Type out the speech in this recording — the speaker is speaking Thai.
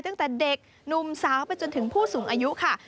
ตั้งแต่เด็กหนุ่มสาวไปจนถึงผู้สูงอายุค่ะ